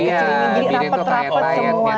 yang kecil kecil ini jadi rapet rapet semuanya